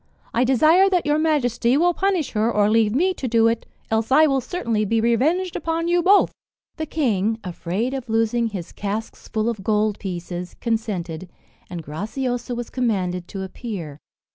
I desire that your majesty will punish her, or leave me to do it else I will certainly be revenged upon you both." The king, afraid of losing his casks full of gold pieces, consented, and Graciosa was commanded to appear.